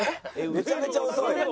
めちゃめちゃ遅い。